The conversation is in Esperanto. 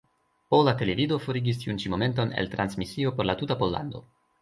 Pola Televido forigis tiun ĉi momenton el transmisio por la tuta Pollando.